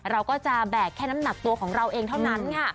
เราก็จะแบกแค่น้ำหนักตัวของเราเองเท่านั้นค่ะ